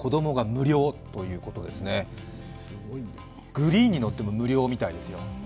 グリーンに乗っても無料みたいですよ。